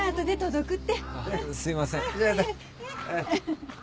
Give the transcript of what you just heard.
あっすいません。